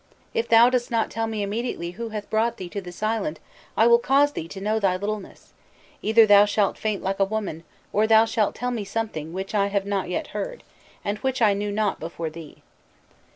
If thou dost not tell me immediately who brought thee to this island, I will cause thee to know thy littleness: either thou shalt faint like a woman, or thou shalt tell me something which I have not yet heard, and which I knew not before thee.